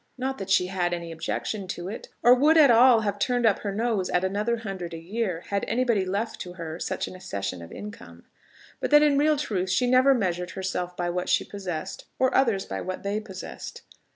Not that she had any objection to it, or would at all have turned up her nose at another hundred a year had anybody left to her such an accession of income; but that in real truth she never measured herself by what she possessed, or others by what they possessed.